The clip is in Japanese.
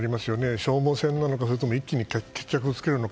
消耗戦なのか一気に決着をつけるのか